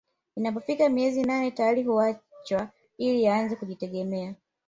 Inapofika miezi nane tayari huachwa ili aanze kujitegemea